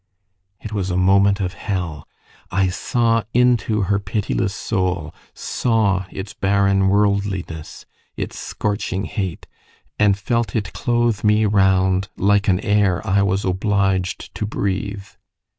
It was a moment of hell. I saw into her pitiless soul saw its barren worldliness, its scorching hate and felt it clothe me round like an air I was obliged to breathe.